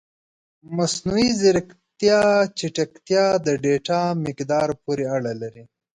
د مصنوعي ځیرکتیا چټکتیا د ډیټا مقدار پورې اړه لري.